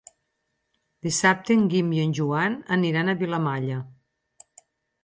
Dissabte en Guim i en Joan aniran a Vilamalla.